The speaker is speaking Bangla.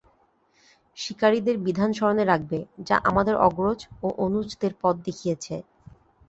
শিকারীদের বিধান স্মরণে রাখবে, যা আমাদের অগ্রজ ও অনুজদের পথ দেখিয়েছে।